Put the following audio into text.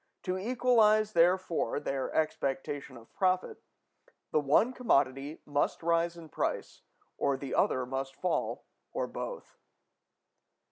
To equalize, therefore, their expectation of profit, the one commodity must rise in price, or the other must fall, or both.